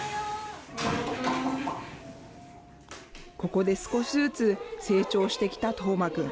ここで少しずつ成長してきた叶真くん。